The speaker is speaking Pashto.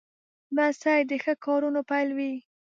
لمسی د ښو کارونو پیل وي.